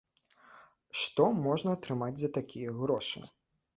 Што можна атрымаць за такія грошы?